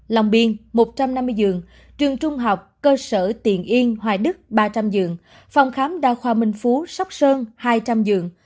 lòng biên một trăm năm mươi giường trường trung học cơ sở tiền yên hoài đức ba trăm linh giường phòng khám đa khoa minh phú sóc sơn hai trăm linh giường